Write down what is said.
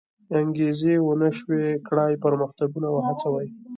انګېزې و نه شوی کړای پرمختګونه وهڅوي.